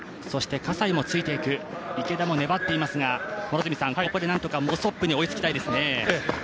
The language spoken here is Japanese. そして葛西もついていく、池田も粘っていますがここでなんとかモソップに追いつきたいですね。